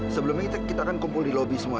sebelumnya kita akan kumpul di lobi semua